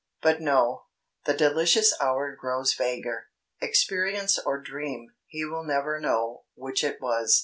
But no, the delicious hour grows vaguer; experience or dream, he will never know which it was.